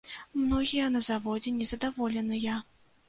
Многія на заводзе незадаволеныя.